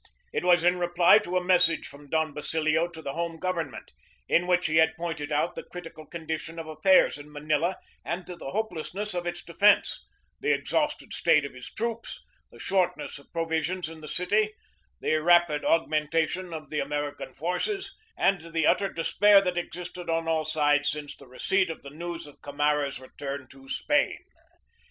It was in reply to a message from Don Basilio to the home government, in which he had pointed out the critical condition of affairs in Manila and the hopelessness of its defence, the exhausted state of his troops, the shortness of provisions in the city, the rapid augmentation of the American forces, and the utter despair that existed on all sides since the receipt of the news of Camara's return to Spain.